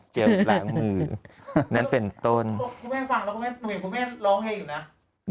เจอล้างมือนั้นเป็นต้นคุณแม่ฟังแล้วคุณแม่คุณแม่คุณแม่ล้องให้อยู่น่ะ